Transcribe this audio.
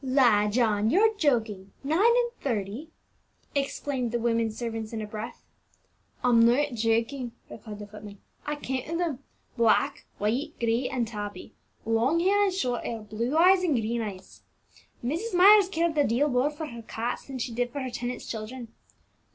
"La, John, you're joking! nine and thirty!" exclaimed the women servants in a breath. "I'm not joking," replied the footman; "I counted them, black, white, gray, and tabby, long hair and short hair, blue eyes and green eyes! Mrs. Myers cared a deal more for her cats than she did for her tenants' children.